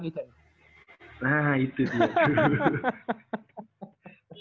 nah itu dia tuh